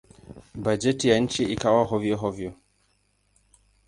Bajeti ya nchi ikawa hovyo-hovyo.